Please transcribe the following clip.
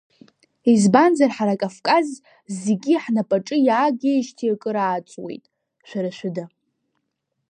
Избанзар, ҳара Кавказ зегьы ҳнапаҿы иаагеижьҭеи акыр ааҵуеит, шәара шәыда.